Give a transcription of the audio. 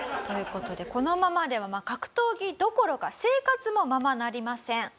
という事でこのままでは格闘技どころか生活もままなりません。